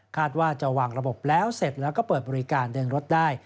ว่าจะวางระบบแล้วเสร็จแล้วก็เปิดบริการเดินรถได้